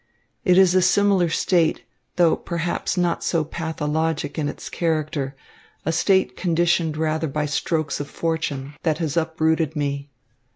It is a similar state, though perhaps not so pathologic in its character, a state conditioned rather by strokes of fortune, that has uprooted me.